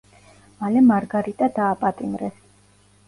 მალე მარგარიტა დააპატიმრეს.